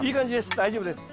大丈夫です。